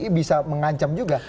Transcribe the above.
ini bisa mengancam juga